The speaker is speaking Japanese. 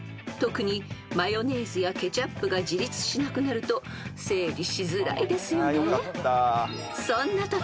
［特にマヨネーズやケチャップが自立しなくなると整理しづらいですよね］